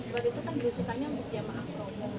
waktu itu kan berusukannya untuk jamaah progo